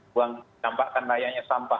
buang sampah kan layaknya sampah